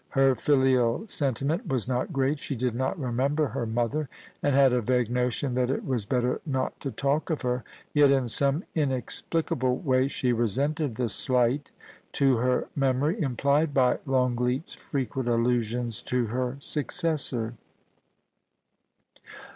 Her filial sentiment was not great; she did not remember her mother, and had a vague notion that it was better not to talk of her. Yet in some inexplicable way she resented the slight to her memory implied by Longleat's frequent allusions to her successor. FA THER AND DA UCHTER.